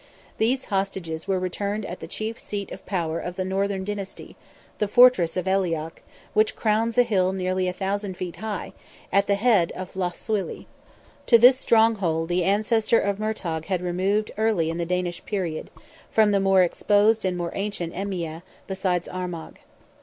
These hostages were retained at the chief seat of power of the northern dynasty, the fortress of Aileach, which crowns a hill nearly a thousand feet high, at the head of Lough Swilly. To this stronghold the ancestor of Murtogh had removed early in the Danish period, from the more exposed and more ancient Emania, beside Armagh.